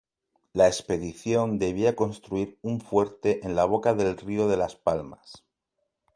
La expedición debía construir un fuerte en la boca del río de las Palmas.